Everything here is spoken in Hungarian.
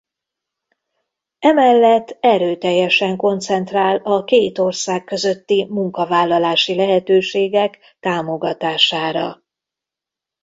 E mellett erőteljesen koncentrál a két ország közötti munkavállalási lehetőségek támogatására.